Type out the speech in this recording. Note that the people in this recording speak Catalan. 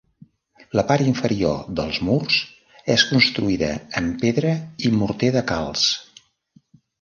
La part inferior dels murs és construïda amb pedra i morter de calç.